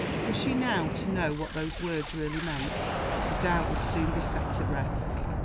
Was she now to know what those words really meant? The doubt would soon be set at rest.